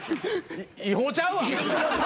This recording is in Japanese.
違法ちゃうわ。